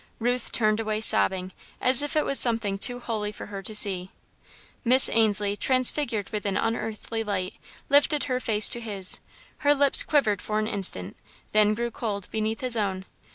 Ruth turned away, sobbing, as if it was something too holy for her to see. Miss Ainslie, transfigured with unearthly light, lifted her face to his. Her lips quivered for an instant, then grew cold beneath his own.